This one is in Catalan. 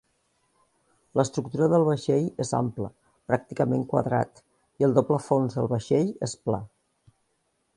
L'estructura del vaixell és ample, pràcticament quadrat, i el doble fons del vaixell és pla.